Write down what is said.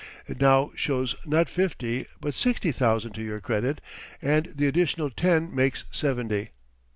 It now shows not fifty but sixty thousand to your credit, and the additional ten makes seventy."